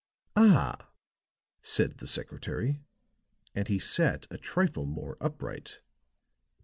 "Ah!" said the secretary. And he sat a trifle more upright.